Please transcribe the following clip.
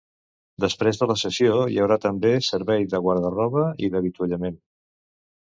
Després de la sessió, hi haurà també servei de guarda-roba i d'avituallament.